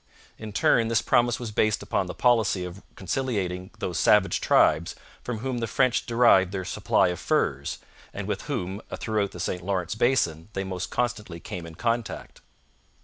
In turn this promise was based upon the policy of conciliating those savage tribes from whom the French derived their supply of furs, and with whom throughout the St Lawrence basin they most constantly came in contact.